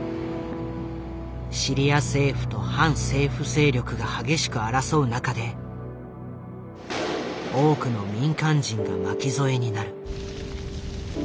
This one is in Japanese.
シリア政府と反政府勢力が激しく争う中で多くの民間人が巻き添えになる。